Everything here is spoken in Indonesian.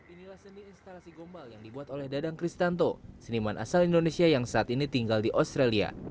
inilah seni instalasi gombal yang dibuat oleh dadang kristanto seniman asal indonesia yang saat ini tinggal di australia